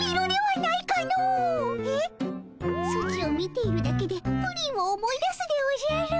ソチを見ているだけでプリンを思い出すでおじゃる。